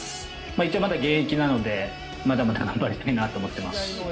一応まだ現役なので、まだまだ頑張りたいなと思ってます。